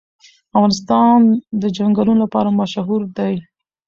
افغانستان د چنګلونه لپاره مشهور دی.